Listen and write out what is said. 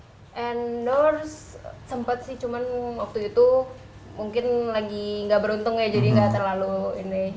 endorse sempat sih cuman waktu itu mungkin lagi nggak beruntung ya jadi nggak terlalu ini